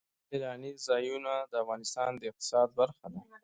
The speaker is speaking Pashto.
سیلانی ځایونه د افغانستان د اقتصاد برخه ده.